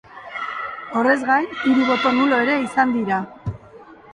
Horrez gain, hiru boto nulo ere izan dira.